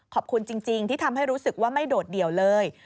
ขอบคุณจริงที่ทำให้รู้สึกว่าไม่โดดเดี่ยวเลย